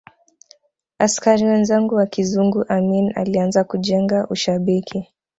askari wenzake wa kizungu Amin alianza kujenga ushabiki